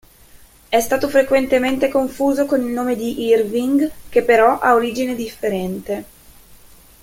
È stato frequentemente confuso con il nome Irving, che però ha origine differente.